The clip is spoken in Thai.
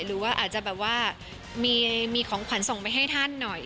หรือว่าอาจจะแบบว่ามีของขวัญส่งไปให้ท่านหน่อย